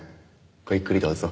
ごゆっくりどうぞ。